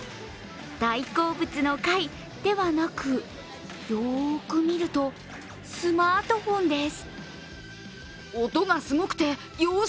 大好物の貝ではなくよーく見るとスマートフォンです。